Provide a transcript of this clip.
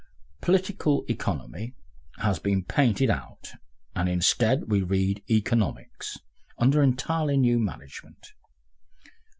"Political Economy" has been painted out, and instead we read "Economics under entirely new management."